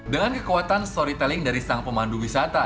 dengan kekuatan storytelling dari sang pemandu wisata